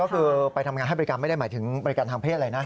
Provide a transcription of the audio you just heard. ก็คือไปทำงานให้บริการไม่ได้หมายถึงบริการทางเพศอะไรนะ